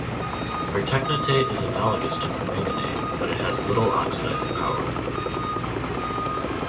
Pertechnetate is analogous to permanganate but it has little oxidizing power.